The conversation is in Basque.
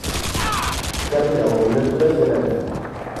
Garbi dago, ulertu nahi duenarentzat.